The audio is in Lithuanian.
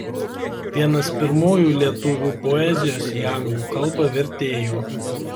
Vienas pirmųjų lietuvių poezijos į anglų k. vertėjų.